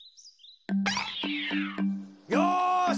よし！